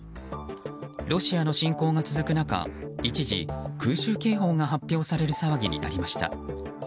ロシアの侵攻が続く中一時、空襲警報が発表される騒ぎになりました。